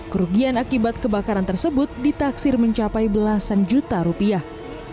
kerugian akibat kebakaran tersebut ditaksir mencapai belasan juta rupiah